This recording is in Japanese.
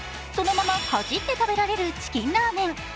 そのままかじって食べられるチキンラーメン。